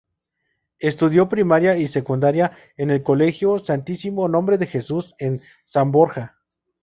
Estudió primaria y secundaria en el colegio Santísimo Nombre de Jesús en San Borja.